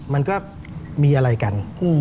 มันก็มีอะไรกัน